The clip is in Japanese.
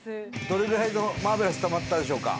どれぐらいのマーベラスたまったでしょうか？